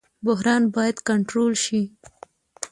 بحران باید کنټرول شي